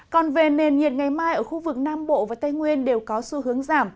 còn về nền nhiệt ngày mai ở khu vực nam bộ và tây nguyên đều có xu hướng giảm